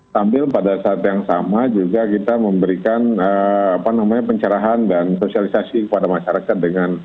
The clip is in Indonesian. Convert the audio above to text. sambil pada saat yang sama juga kita memberikan pencerahan dan sosialisasi kepada masyarakat dengan